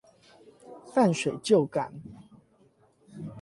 淡水舊港